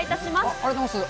ありがとうございます。